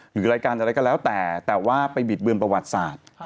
หรือรายการอะไรก็แล้วแต่แต่ว่าไปบิดเบือนประวัติศาสตร์